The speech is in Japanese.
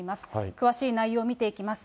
詳しい内容を見ていきます。